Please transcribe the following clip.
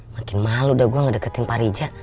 makin malu dah gue ngedeketin pak rija